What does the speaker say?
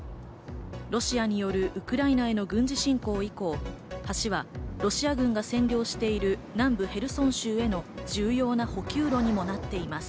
ロシアによるウクライナへの軍事侵攻以降、橋はロシア軍が占領している南部ヘルソン州への重要な補給路にもなっています。